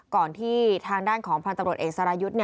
ก่อนที่ทางด้านของพันธุ์ตำรวจเอกสรายุทธ์